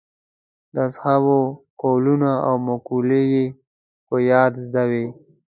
د اصحابو قولونه او مقولې یې په یاد زده وې.